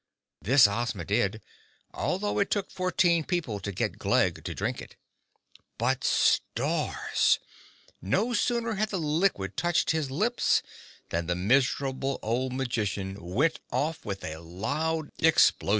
This Ozma did, although it took fourteen people to get Glegg to drink it. But, stars! No sooner had the liquid touched his lips than the miserable old magician went off with a loud explosion!